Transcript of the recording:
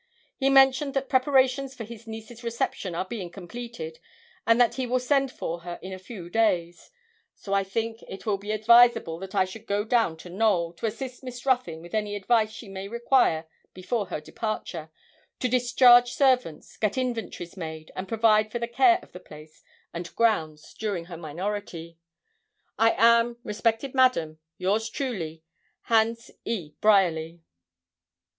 He mentioned that preparations for his niece's reception are being completed, and that he will send for her in a few days; so that I think it will be advisable that I should go down to Knowl, to assist Miss Ruthyn with any advice she may require before her departure, to discharge servants, get inventories made, and provide for the care of the place and grounds during her minority. 'I am, respected Madam, yours truly, HANS E. BRYERLY.'